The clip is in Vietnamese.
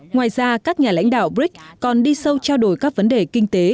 ngoài ra các nhà lãnh đạo brics còn đi sâu trao đổi các vấn đề kinh tế